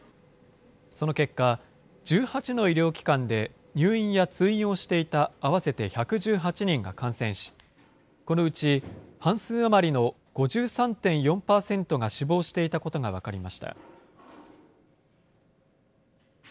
その結果、１８の医療機関で、入院や通院をしていた合わせて１１８人が感染し、このうち半数余りの５３．４％が死亡していたことが分かりました。